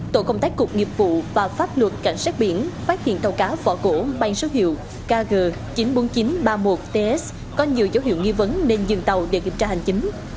tổ công tác cục nghiệp vụ và pháp luật cảnh sát biển phát hiện tàu cá vỏ cổ mang số hiệu kg chín mươi bốn nghìn chín trăm ba mươi một ts có nhiều dấu hiệu nghi vấn nên dừng tàu để kiểm tra hành chính